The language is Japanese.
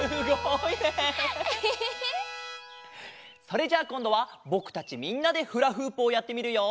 それじゃあこんどはぼくたちみんなでフラフープをやってみるよ。